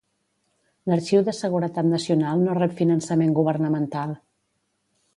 L'Arxiu de Seguretat Nacional no rep finançament governamental.